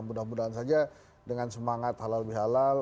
mudah mudahan saja dengan semangat halal lebih halal